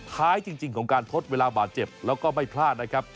ท้ายจริงของการทดเวลาบาดเจ็บแล้วก็ไม่พลาดนะครับ